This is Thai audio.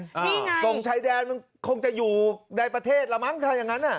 นี่ไงส่งชายแดนมันคงจะอยู่ในประเทศละมั้งถ้าอย่างนั้น